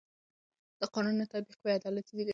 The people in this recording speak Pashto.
د قانون نه تطبیق بې عدالتي زېږوي